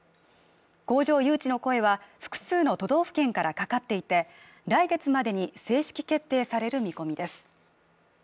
工場誘致の声は複数の都道府県からかかっていて来月までに正式決定される見込みです